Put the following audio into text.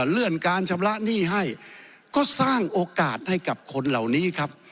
เลื่อนการชำระหนี้ให้ก็สร้างโอกาสให้กับคนเหล่านี้ครับ